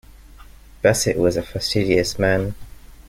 Bassett was a fastidious man.